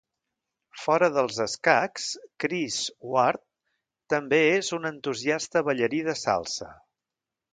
Fora dels escacs, Chris Ward també és un entusiasta ballarí de salsa.